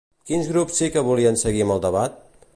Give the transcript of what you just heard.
Quins grups sí que volien seguir amb el debat?